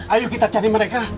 ayo kita cari mereka